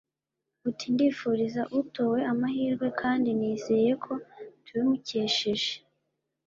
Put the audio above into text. Ati” Ndifuriza utowe amahirwe kandi nizeye ko tubimukesheje